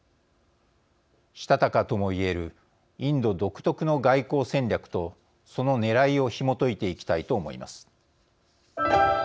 したたかとも言えるインド独特の外交戦略とそのねらいをひもといていきたいと思います。